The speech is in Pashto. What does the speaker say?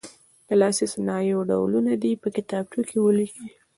د لاسي صنایعو ډولونه دې په کتابچو کې ولیکي.